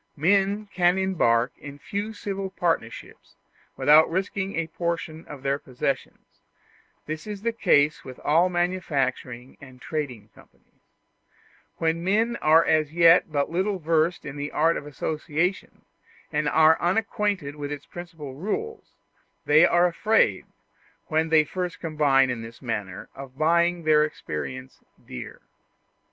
Men can embark in few civil partnerships without risking a portion of their possessions; this is the case with all manufacturing and trading companies. When men are as yet but little versed in the art of association, and are unacquainted with its principal rules, they are afraid, when first they combine in this manner, of buying their experience dear.